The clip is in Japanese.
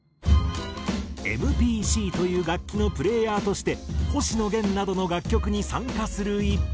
ＭＰＣという楽器のプレイヤーとして星野源などの楽曲に参加する一方。